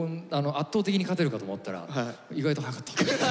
圧倒的に勝てるかと思ったら意外と速かった。